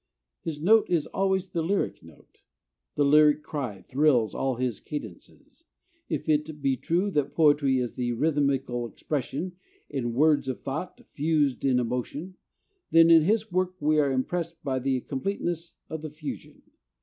His note is always the lyric note. The "lyric cry" thrills all his cadences. If it be true that poetry is the rhythmical expression in words of thought fused in emotion, then in his work we are impressed by the completeness of the fusion.